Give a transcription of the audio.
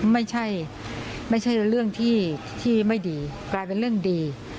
ไม่ใช่ไม่ใช่เรื่องที่ไม่ดีกลายเป็นเรื่องดี